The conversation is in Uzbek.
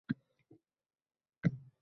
Tanlov: Qizlar odobi targ‘ibotchisi